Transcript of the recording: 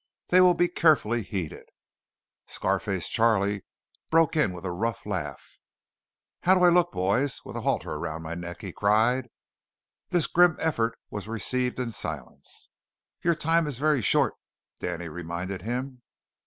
They will be carefully heeded." Scar face Charley broke in with a rough laugh. "How do I look, boys, with a halter around my neck?" he cried. This grim effort was received in silence. "Your time is very short," Danny reminded him.